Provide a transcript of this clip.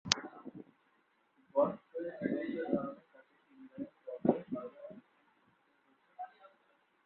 Godfrey ইভান্সের কারণে তাকে ইংল্যান্ড দলের বাইরে অবস্থান করতে হয়েছে।